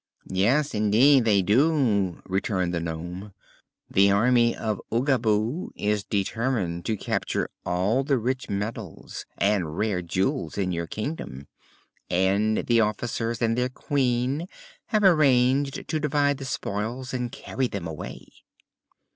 "Yes, indeed they do!" returned the nome. "The Army of Oogaboo is determined to capture all the rich metals and rare jewels in your kingdom, and the officers and their Queen have arranged to divide the spoils and carry them away."